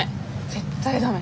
絶対ダメ。